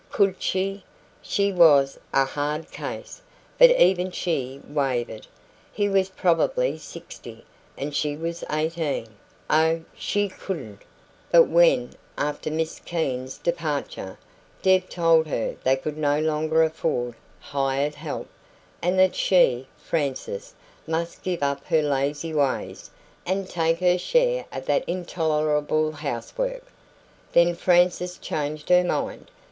COULD she? She was a hard case, but even she wavered. He was probably sixty, and she was eighteen. Oh, she couldn't! But when, after Miss Keene's departure, Deb told her they could no longer afford hired help, and that she (Frances) must give up her lazy ways and take her share of that intolerable housework, then Frances changed her mind.